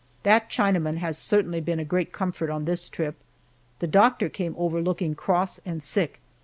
That Chinaman has certainly been a great comfort on this trip. The doctor came over looking cross and sick.